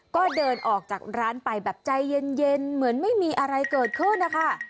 ก็เดินออกจากร้านไปแบบใจเย็นเหมือนไม่มีอะไรเกิดขึ้นนะคะ